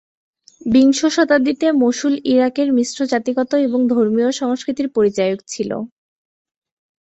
বিংশ শতাব্দীতে মসুল ইরাকের মিশ্র জাতিগত এবং ধর্মীয় সংস্কৃতির পরিচায়ক ছিল।